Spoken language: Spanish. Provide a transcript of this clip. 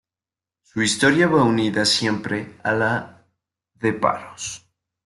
Su historia va unida siempre a la de Paros.